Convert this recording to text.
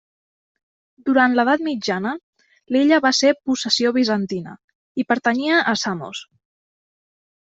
Durant l'edat mitjana, l'illa va ser possessió bizantina, i pertanyia a Samos.